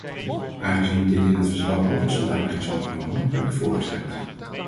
Aangezien dit in het verslag ook als zodanig is opgenomen, heb ik voor gestemd.